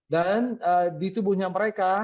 dan di tubuhnya mereka